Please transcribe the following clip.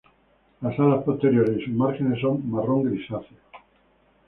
Las alas posteriores y sus márgenes son marrón grisáceo.